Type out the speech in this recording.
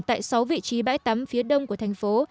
tại sáu vị trí bãi tắm phía đông của thành phố